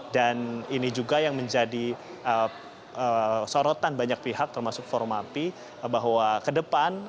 dan ini juga yang menjadi sorotan banyak pihak termasuk forum api bahwa ke depan